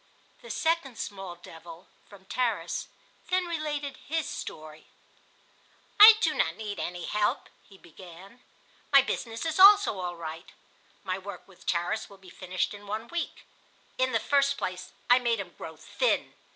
The second small devil (from Tarras) then related his story. "I do not need any help," he began. "My business is also all right. My work with Tarras will be finished in one week. In the first place I made him grow thin.